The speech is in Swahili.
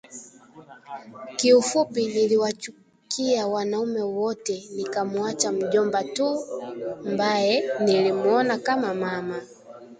Kiufupi niliwachukia wanaume wote nikamuacha mjomba tu mbaye nilimuona kama mama